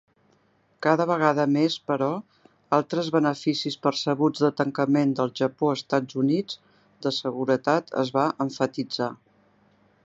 Cada vegada més, però, altres beneficis percebuts de tancament del Japó-Estats Units de seguretat es va emfatitzar.